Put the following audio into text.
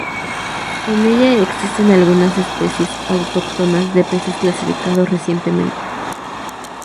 En ella existen algunas especies autóctonas de peces clasificados recientemente.